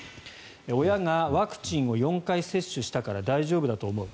親がワクチンを４回接種したから大丈夫だと思う。